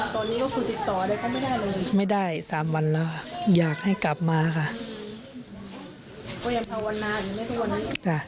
ตอนนี้ก็คือติดต่อได้ไม่ได้สามวันแล้วอยากให้กลับมาค่ะ